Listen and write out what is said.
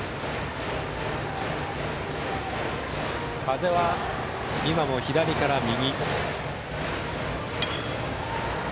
風は今も左から右。